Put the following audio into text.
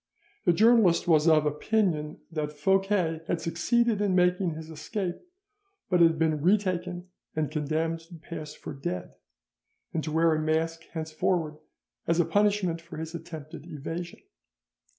The journalist was of opinion that Fouquet had succeeded in making his escape, but had been retaken and condemned to pass for dead, and to wear a mask henceforward, as a punishment for his attempted evasion.